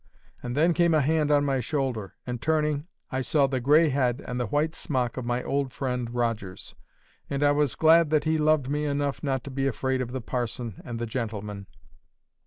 And then came a hand on my shoulder, and, turning, I saw the gray head and the white smock of my old friend Rogers, and I was glad that he loved me enough not to be afraid of the parson and the gentleman.